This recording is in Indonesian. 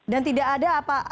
dan tidak ada apa